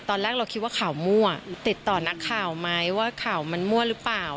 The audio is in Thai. ตอนแรกเราคิดว่าข่าวมั่วติดต่อนักข่าวไหมว่าข่าวมันมั่วหรือเปล่า